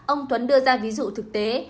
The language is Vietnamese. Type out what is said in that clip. ông tuấn đưa ra ví dụ thực tế